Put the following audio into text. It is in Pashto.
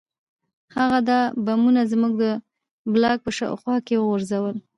هغه دا بمونه زموږ د بلاک په شاوخوا کې وغورځول